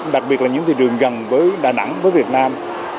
đặc biệt là những thị trường gần với đà nẵng với việt nam